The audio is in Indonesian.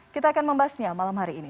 kita akan membahasnya malam hari ini